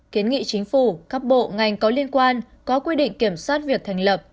kiến nghị chính phủ các bộ ngành có liên quan có quy định kiểm soát việc thành lập